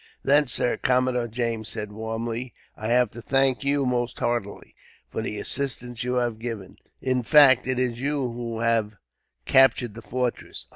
"Then, sir," Commodore James said, warmly; "I have to thank you, most heartily, for the assistance you have given. In fact, it is you who have captured the fortress.